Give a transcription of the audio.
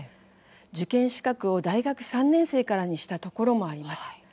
受験資格を大学３年生からにしたところもあります。